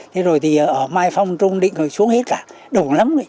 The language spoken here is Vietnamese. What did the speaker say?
thế rồi thì ở mai phong trung định rồi xuống hết cả đổ lắm